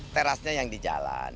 terasnya yang di jalan